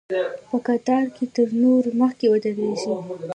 په قطار کې تر نورو مخکې ودرېږي.